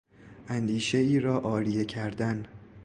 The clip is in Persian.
اندیشهای را عاریه کردن